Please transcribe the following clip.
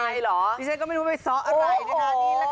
นี่ฉันก็ไม่รู้ว่าไม่ซ้ออะไรนะคะนี่แหละค่ะ